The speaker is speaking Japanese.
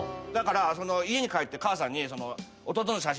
だから家に帰って母さんに。